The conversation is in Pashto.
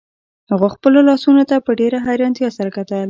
هغه خپلو لاسونو ته په ډیره حیرانتیا سره کتل